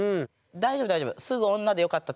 大丈夫大丈夫。